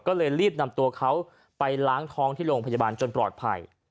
ก็เลยรีบนำตัวเขาไปล้างท้องที่โรงพยาบาลจนปลอดภัย